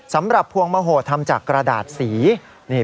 สำหรับภวงมโหดทำจากกระดาษสี